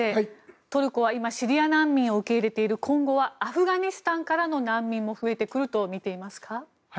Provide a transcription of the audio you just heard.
トルコは今、シリア難民を受け入れている今後はアフガンからの難民も増えてくるとみていますか？